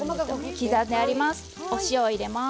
刻んであります。